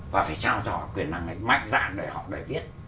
mạnh dạn để họ để viết